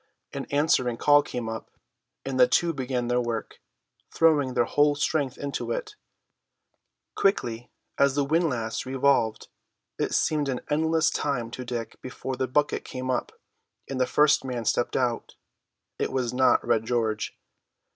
An answering call came up, and the two began their work, throwing their whole strength into it. Quickly as the windlass revolved, it seemed an endless time to Dick before the bucket came up, and the first man stepped out. It was not Red George.